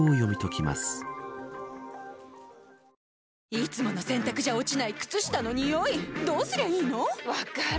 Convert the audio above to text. いつもの洗たくじゃ落ちない靴下のニオイどうすりゃいいの⁉分かる。